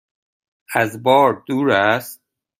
از بار دور است؟